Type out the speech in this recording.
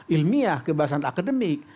ilmiah kebebasan akademik